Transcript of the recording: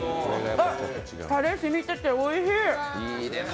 たれ、しみてておいしい。